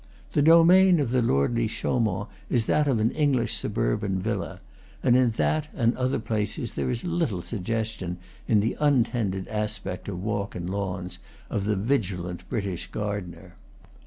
The domain of the lordly Chaumont is that of an English suburban villa; and in that and in other places there is little suggestion, in the untended aspect of walk and lawns, of the vigilant British gardener.